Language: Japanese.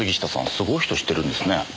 すごい人知ってるんですね。